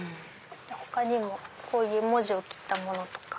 他にもこういう文字を切ったものとか。